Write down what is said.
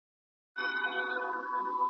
تر مطلبه چي یاري وي د ښکاریانو .